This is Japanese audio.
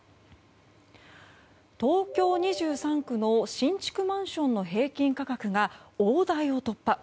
東京２３区の新築マンションの平均価格が大台を突破。